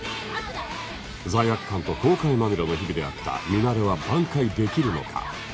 罪悪感と後悔まみれの日々であったミナレは挽回できるのか？